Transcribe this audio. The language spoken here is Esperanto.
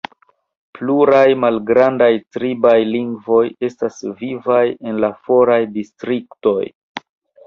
Pluraj malgrandaj tribaj lingvoj estas vivaj en la foraj distriktoj.